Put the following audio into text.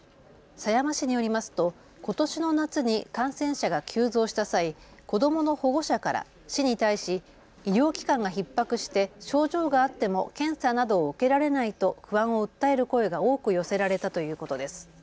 狭山市によりますとことしの夏に感染者が急増した際、子どもの保護者から市に対し医療機関がひっ迫して症状があっても検査などを受けられないと不安を訴える声が多く寄せられたということです。